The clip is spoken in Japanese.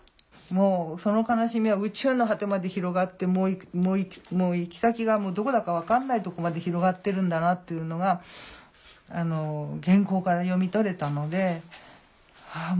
もうその悲しみは宇宙の果てまで広がってもうもう行き先がどこだか分かんないとこまで広がってるんだなっていうのが原稿から読み取れたのであ